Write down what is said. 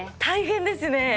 大変ですね！